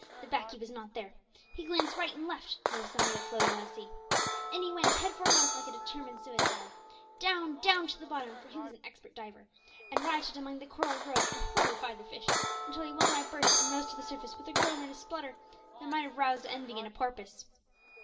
The "baccy" was not there. He glanced right and left no sign of it floating on the sea. In he went, head foremost, like a determined suicide; down, down to the bottom, for he was an expert diver, and rioted among the coral groves, and horrified the fish, until he well nigh burst, and rose to the surface with a groan and splutter that might have roused envy in a porpoise.